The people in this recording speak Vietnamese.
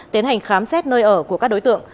tiến hành khám xét nơi ở của các đối tượng